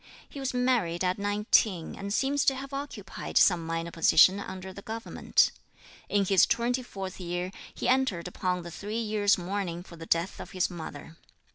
He was married at nineteen, and seems to have occupied some minor position under the government. In his twenty fourth year he entered upon the three years' mourning for the death of his mother.